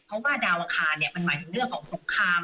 เพราะว่าดาวอังคารมันหมายถึงเรื่องของสงคราม